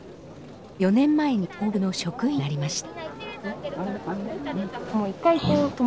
４年前に「抱樸」の職員になりました。